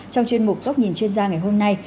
trong chuyên mục góc nhìn chuyên gia ngày hôm nay